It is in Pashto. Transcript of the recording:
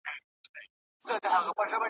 ښکلي خدای پیدا کړمه نصیب یې راکی ښکلی ,